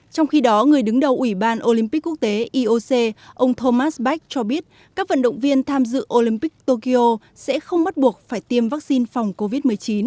trong khi đó người đứng đầu ủy ban olympic quốc tế ioc ông thomas bach cho biết các vận động viên tham dự olympic tokyo sẽ không bắt buộc phải tiêm vaccine phòng covid một mươi chín